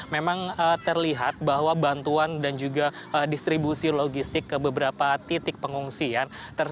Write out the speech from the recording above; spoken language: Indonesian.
memang terlihat bahwa bantuan dan juga distribusi logistik ke beberapa titik pengungsian